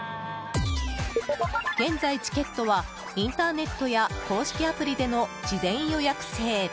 現在、チケットはインターネットや公式アプリでの事前予約制。